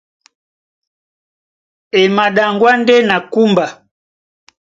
E maɗaŋgwá ndé na kúmba.